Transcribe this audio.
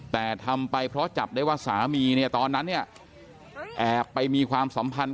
แต่ทำไปเพราะจับได้ว่าสามีเนี่ยตอนนั้นเนี่ยแอบไปมีความสัมพันธ์